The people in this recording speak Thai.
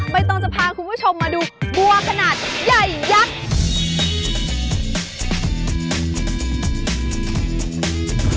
ต้องจะพาคุณผู้ชมมาดูบัวขนาดใหญ่ยักษ์